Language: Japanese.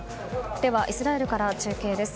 ではイスラエルから中継です。